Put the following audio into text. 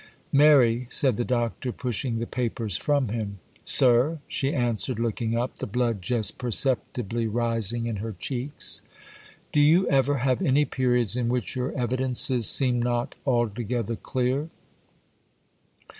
'Mary,' said the Doctor, pushing the papers from him. 'Sir,' she answered, looking up, the blood just perceptibly rising in her cheeks. 'Do you ever have any periods in which your evidences seem not altogether clear?